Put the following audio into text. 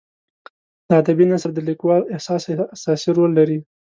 د ادبي نثر د لیکوال احساس اساسي رول لري.